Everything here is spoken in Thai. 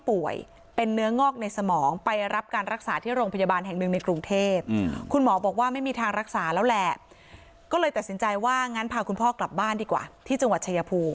ป่วยเป็นเนื้องอกในสมองไปรับการรักษาที่โรงพยาบาลแห่งหนึ่งในกรุงเทพคุณหมอบอกว่าไม่มีทางรักษาแล้วแหละก็เลย